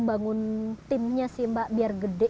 bangun timnya sih mbak biar gede